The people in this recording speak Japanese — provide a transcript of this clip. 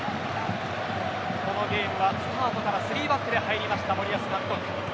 このゲームはスタートから３バックで入りました森保監督。